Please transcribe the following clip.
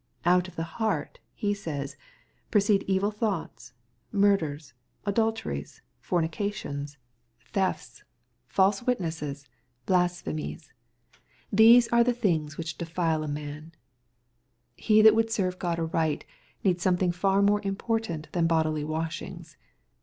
" Out of the heart," He says, ^^ proceed evil thoughts, murders, adulteries, fornications, 8* 1 78 expositobSc. xhoughtb. thefts^ false witnesses, Uasphemies ; these are the thingt which deffle a man." — He that would serve God aright needs something far more important than bodily washings.